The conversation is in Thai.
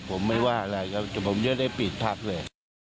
ผมไม่ว่าอะไรครับแต่ผมจะได้ปิดพักเลย